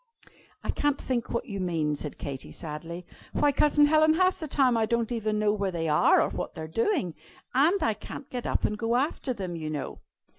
"I can't think what you mean," said Katy, sadly. "Why, Cousin Helen, half the time I don't even know where they are, or what they are doing. And I can't get up and go after them, you know."